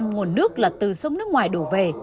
sáu mươi năm bảy mươi nguồn nước là từ sông nước ngoài đổ về